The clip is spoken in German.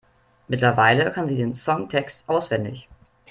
Mittlerweile kann sie den Songtext auswendig.